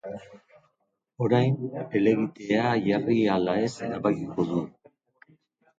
Orain, helegitea jarri ala ez erabakiko du.